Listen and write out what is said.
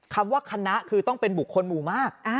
คำว่าคณะคือต้องเป็นบุคคลหมู่มาก